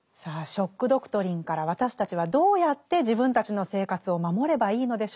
「ショック・ドクトリン」から私たちはどうやって自分たちの生活を守ればいいのでしょうか。